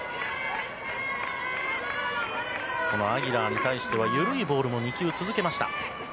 このアギラーに対しては緩いボールを２球続けました。